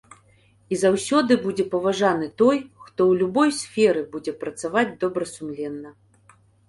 І заўсёды будзе паважаны той, хто ў любой сферы будзе працаваць добрасумленна.